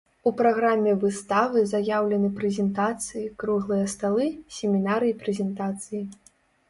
У праграме выставы заяўлены прэзентацыі, круглыя сталы, семінары і прэзентацыі.